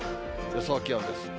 予想気温です。